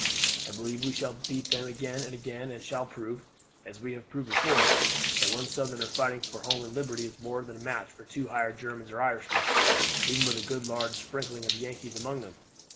I believe we shall beat them again and again, and shall prove, as we have proved before, that one Southerner fighting for home and liberty is more than a match for two hired Germans or Irishmen, even with a good large sprinkling of Yankees among them.